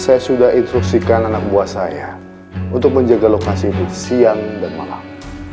saya sudah instruksikan anak buah saya untuk menjaga lokasi itu siang dan malam